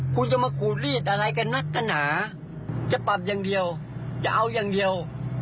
คุณจะมาขูดรีดอะไรกันนักกันหนาจะปรับอย่างเดียวจะเอาอย่างเดียว